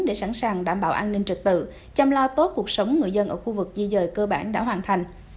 để sẵn sàng đảm bảo an ninh trật tự chăm lo tốt cuộc sống người dân ở khu vực di dời cơ bản đã hoàn thành